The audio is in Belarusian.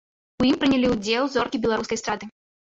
У ім прынялі ўдзел зоркі беларускай эстрады.